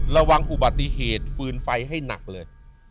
ระวังอุบัติเหตุฟืนไฟให้หนักเลย